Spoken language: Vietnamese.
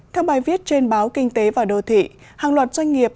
theo bài viết trên báo kinh tế và đô thị hàng loạt doanh nghiệp